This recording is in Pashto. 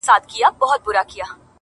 همېشه به په غزا پسي وو تللی-